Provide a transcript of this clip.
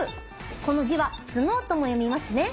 この字は角とも読みますね。